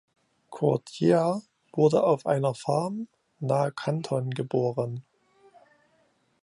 Cordier wurde auf einer Farm nahe Canton geboren.